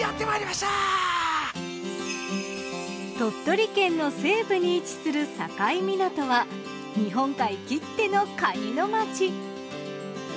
鳥取県の西部に位置する境港は日本海きってのかにの街。